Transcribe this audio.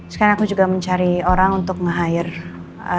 sekarang aku juga mencari orang untuk meng hire